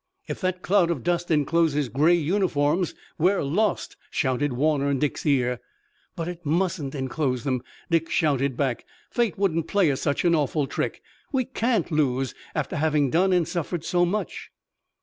"If that cloud of dust encloses gray uniforms we're lost!" shouted Warner in Dick's ear. "But it mustn't enclose 'em," Dick shouted back. "Fate wouldn't play us such an awful trick! We can't lose, after having done and suffered so much!"